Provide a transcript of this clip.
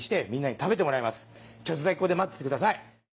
ちょっとだけここで待っててください。